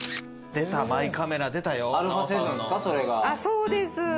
そうです。